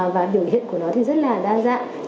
và biểu hiện của nó thì rất là đa dạng